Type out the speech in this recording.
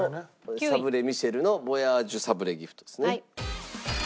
サブレミシェルのヴォヤージュサブレギフトですね。